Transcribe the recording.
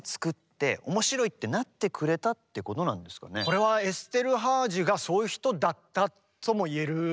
作ってこれはエステルハージがそういう人だったとも言えるかな。